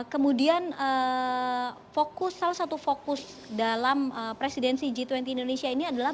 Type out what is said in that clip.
kemudian salah satu fokus dalam presidensi g dua puluh indonesia ini adalah